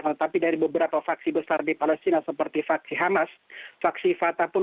tetapi dari beberapa vaksi besar di palestina seperti vaksi hamas vaksi fatah pun